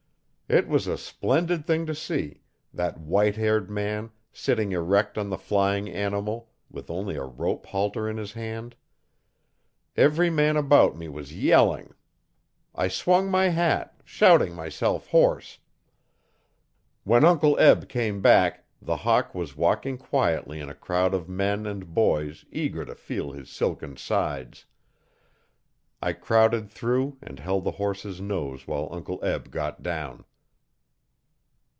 It was a splendid thing to see that white haired man, sitting erect on the flying animal, with only a rope halter in his hand. Every man about me was yelling. I swung my hat, shouting myself hoarse. When Uncle Eb came back the Hawk was walking quietly in a crowd of men and boys eager to feel his silken sides. I crowded through and held the horse's nose while Uncle Eb got down.